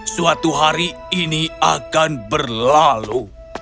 suatu hari ini akan berlalu